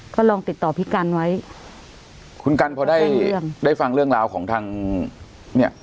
ก็ลองติดต่อพี่กันไว้คุณกันพอได้ได้ฟังเรื่องราวของทางเนี่ย